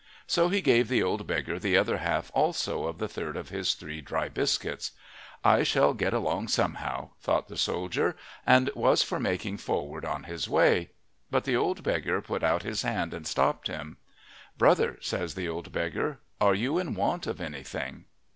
So he gave the old beggar the other half also of the third of his three dry biscuits. "I shall get along somehow," thought the soldier, and was for making forward on his way. But the old beggar put out his hand and stopped him. "Brother," says the old beggar, "are you in want of anything?"